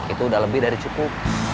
itu udah lebih dari cukup